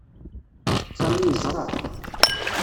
Sami yeẓra.